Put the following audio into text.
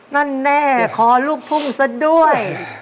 นั่นแน่ขอลูกทุ่งซะด้วย